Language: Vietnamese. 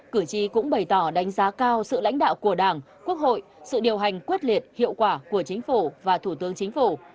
cử tri cũng bày tỏ đánh giá cao sự lãnh đạo của đảng quốc hội sự điều hành quyết liệt hiệu quả của chính phủ và thủ tướng chính phủ